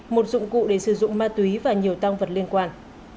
một dụng cụ để sử dụng ma túy và nhiều tăng vật liên quan